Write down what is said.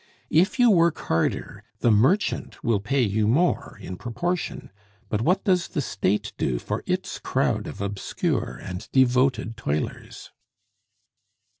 If you work harder, the merchant will pay you more in proportion; but what does the State do for its crowd of obscure and devoted toilers?